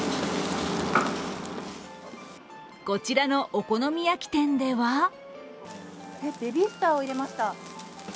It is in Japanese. こちらのお好み焼き店ではえ、ベビースターを入れました。